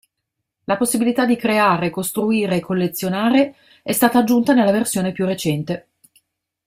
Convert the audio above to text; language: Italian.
La possibilità di creare, costruire e collezionare è stata aggiunta nella versione più recente.